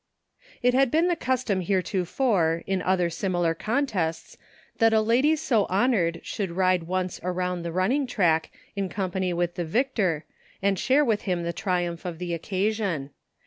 It had been the custom heretofore in ojther similar contests that a lady so honored should ride once around the running track in company with the victor and share with him the triumph of the occasion.